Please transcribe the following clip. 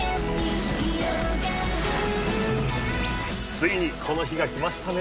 ついにこの日が来ましたね